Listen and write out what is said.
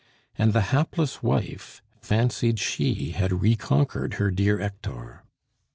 And the hapless wife fancied she had reconquered her dear Hector!